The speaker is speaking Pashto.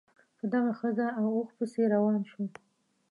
په دغه ښځه او اوښ پسې روان شو.